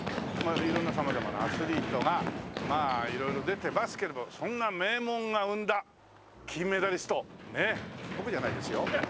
色んな様々なアスリートがまあ色々出てますけれどそんな名門が生んだ金メダリストねえ僕じゃないですよ？